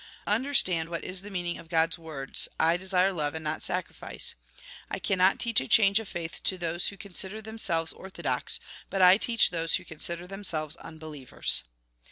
Understand what is the meaning of God's words :' I desire love and not sacrifice.' I cannot teach a change of faith to those who consider themselves orthodox, but I teach those who consider themselves unbelievers."